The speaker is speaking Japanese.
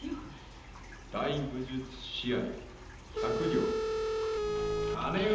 「大武術試合百両」姉上